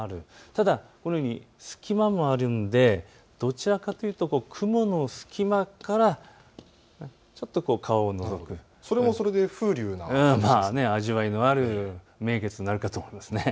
ただこのように隙間もあるのでどちらかというと雲の隙間からちょっと顔をのぞく、味わいのある名月になるかと思います。